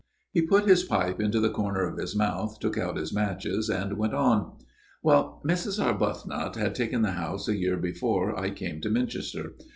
He put his pipe into the corner of his mouth, took out his matches, and went on. " Well, Mrs. Arbuthnot had taken the house a year before I came to Minchester.